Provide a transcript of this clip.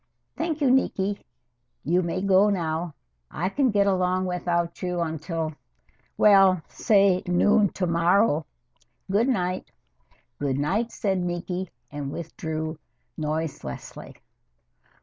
"Thank you, Niki. You may go now I can get along without you until well, say noon to morrow. Good night." "Good night," said Niki, and withdrew noiselessly.